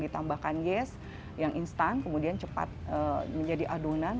ditambahkan gas yang instan kemudian cepat menjadi adonan